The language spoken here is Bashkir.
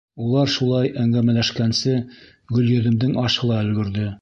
Улар шулай әңгәмәләшкәнсе, Гөлйөҙөмдөң ашы ла өлгөрҙө.